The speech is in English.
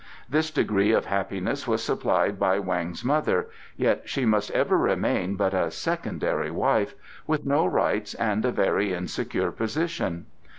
This degree of happiness was supplied by Weng's mother, yet she must ever remain but a "secondary wife," with no rights and a very insecure position.